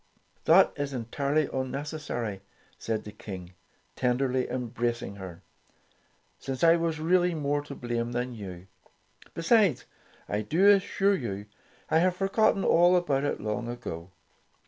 "That is entirely unnecessary," declared the King, tenderly embracing her, "since I was really more to blame than you. Besides, I do assure you, I have forgotten all about it long ago.